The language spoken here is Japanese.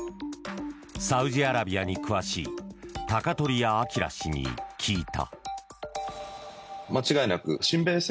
サウジアラビアに詳しい鷹鳥屋明氏に聞いた。